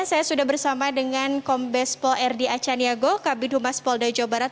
saya sudah bersama dengan kombes pol r d acaniago kabin humas poldai jawa barat